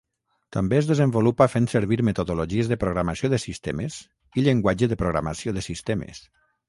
També es desenvolupa fent servir metodologies de programació de sistemes i llenguatge de programació de sistemes.